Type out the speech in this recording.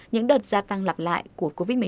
những đợt gia tăng lặp lại của covid một mươi chín